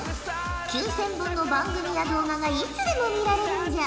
９，０００本の番組や動画がいつでも見られるんじゃ。